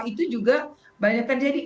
itu juga banyak terjadi